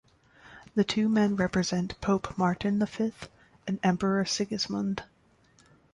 The two men represent Pope Martin the Fifth and Emperor Sigismund.